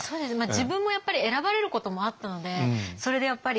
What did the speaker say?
自分もやっぱり選ばれることもあったのでそれでやっぱり